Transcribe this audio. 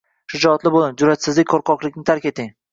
Shijoatli bo‘ling, jur’atsizlik, qo‘rqoqlikni tark eting.